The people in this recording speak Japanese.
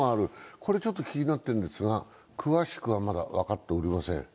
これちょっと気になっているんですが詳しくはまだ分かっていません。